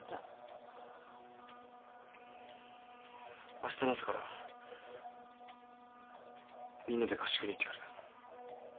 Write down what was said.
あしたの朝からみんなで合宿に行ってくる。